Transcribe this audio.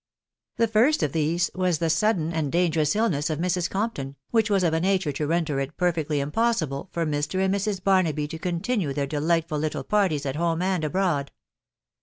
^ The first of these was the sudden and dangerous illness of Mrs. Compton, •which was of a nature to render it perfectly impossible for Mr. and Mrs. Barnaby to continue their de lightful little parties at home and abroad.